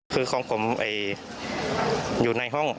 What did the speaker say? คือของผมอยู่ในห้อง